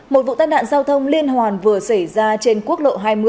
một vụ tân đạn giao thông liên hoàn vừa xảy ra trên quốc lộ hai mươi